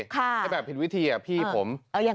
แต่แบบผิดวิธีอะพี่ผม